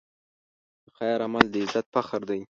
د خیر عمل د عزت فخر دی.